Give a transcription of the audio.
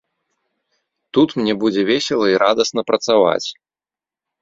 Тут мне будзе весела і радасна працаваць.